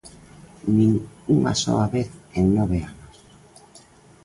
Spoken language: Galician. ¡Nin unha soa vez en nove anos!